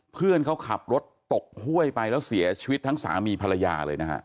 เพื่อนเขาขับรถตกห้วยไปแล้วเสียชีวิตทั้งสามีภรรยาเลยนะฮะ